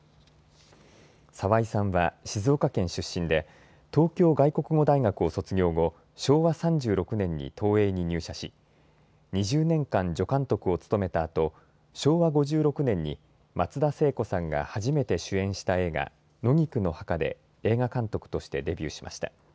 澤井さんは静岡県出身で東京外国語大学を卒業後、昭和３６年に東映に入社し、２０年間、助監督を務めたあと昭和５６年に松田聖子さんが初めて主演した映画、野菊の墓で映画監督としてデビューしました。